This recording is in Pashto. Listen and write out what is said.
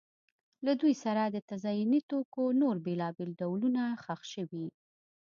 له دوی سره د تزیني توکو نور بېلابېل ډولونه ښخ شوي